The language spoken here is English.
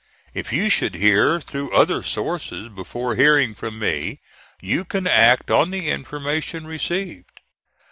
If you should hear through other sources before hearing from me, you can act on the information received.